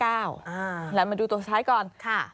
แล้วมาดูตัวสุดท้ายก่อนค่ะ